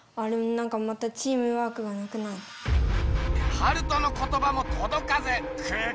ハルトの言葉もとどかず空気は最悪。